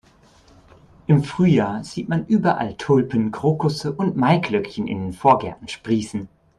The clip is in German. Im Frühjahr sieht man überall Tulpen, Krokusse und Maiglöckchen in den Vorgärten sprießen.